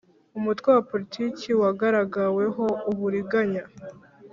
Umutwe wa Politiki wagaragaweho uburiganya